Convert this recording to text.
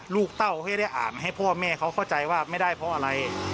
เต้าให้ได้อ่านให้พ่อแม่เขาเข้าใจว่าไม่ได้เพราะอะไร